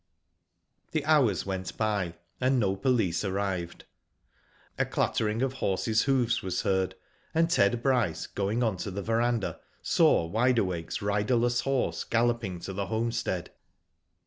The hours went by, and no police arrived. A clattering of horses hoofs was heard, and Ted Bryce, going on to the verandah, saw Wide Awake's riderless horse galloping to the home stead.